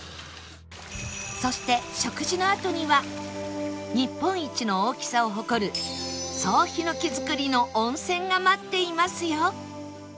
そして食事のあとには日本一の大きさを誇る総ヒノキ造りの温泉が待っていますよ